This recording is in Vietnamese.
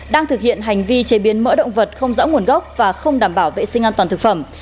đang thực hiện hành vi chế biến mỡ động vật không rõ nguồn gốc và không đảm bảo vệ sinh an toàn thực phẩm